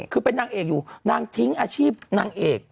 คือเป็นนางเอกอยู่นางทิ้งอาชีพนางเอก